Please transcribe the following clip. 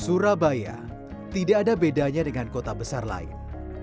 surabaya tidak ada bedanya dengan kota besar lain